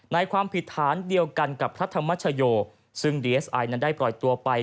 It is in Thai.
ในความผิดฐานเดียวกันกับพระธรรมชโยซึ่งดีเอสไอนั้นได้ปล่อยตัวไป